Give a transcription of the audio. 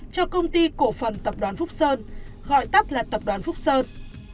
cho công ty cổ phần tập đoàn phúc sơn gọi tắt là tập đoàn phúc sơn